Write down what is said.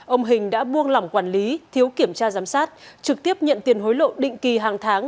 ông hình đã buông lỏng quản lý thiếu kiểm tra giám sát trực tiếp nhận tiền hối lộ định kỳ hàng tháng